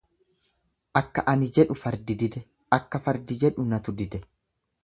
Akka ani jedhu fardi dide akka fardi jedhu natu dide.